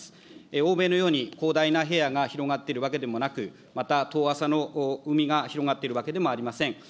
欧米のように広大な平野が広がってるわけでもなく、また遠浅の海が広がっているわけでもありません。